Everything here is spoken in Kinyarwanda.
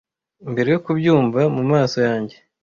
mbere yo kubyumva mumaso yanjye